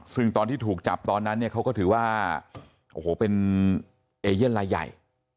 ซึ่งตอนที่ถูกจับตอนนั้นเนี่ยเขาก็ถือว่าโอ้โหเป็นเอเย่นลายใหญ่